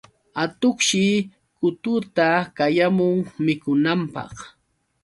Atuqshi kuturta qayamun mikunanpaq.